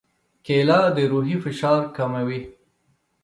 کېله د روحي فشار کموي.